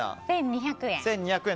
１２００円。